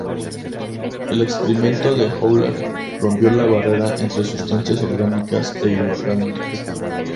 El experimento de Wöhler rompió la barrera entre sustancias orgánicas e inorgánicas.